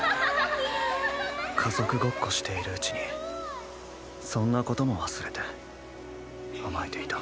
きれ家族ごっこしているうちにそんなことも忘れて甘えていた。